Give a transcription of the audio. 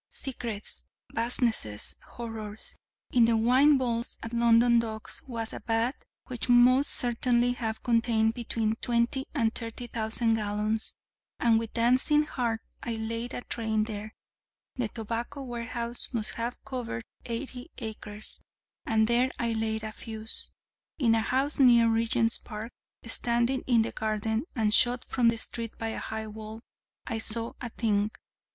secrets, vastnesses, horrors! In the wine vaults at London Docks was a vat which must certainly have contained between twenty and thirty thousand gallons: and with dancing heart I laid a train there; the tobacco warehouse must have covered eighty acres: and there I laid a fuse. In a house near Regent's Park, standing in a garden, and shut from the street by a high wall, I saw a thing...!